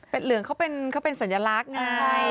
เป็นเหลืองเขาเป็นสัญลักษณ์ไง